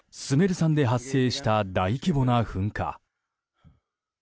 山で発生した大規模な噴火。